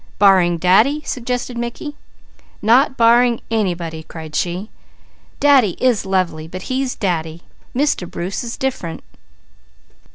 "Barring Daddy?" suggested Mickey. "Not barring anybody!" cried she. "Daddy is lovely, but he's Daddy! Mr. Bruce is different!"